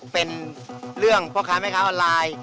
เป็นเรื่องพ่อค้าแม่ค้าออนไลน์